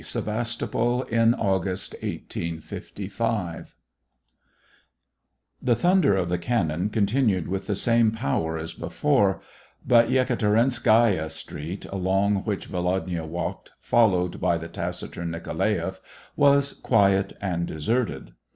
SEVASTOPOL IN AUGUST. 177 XL The thunder of the cannon continued with the same power as before, but Yekaterinskaya street, along which Volodya walked, followed by the taci turn Nikolaeff, was quiet and deserted.